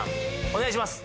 お願いします